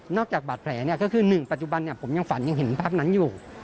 นอกจากบาดแผลเนี้ยก็คือหนึ่งปัจจุบันเนี้ยผมยังฝันยังเห็นภาพนั้นอยู่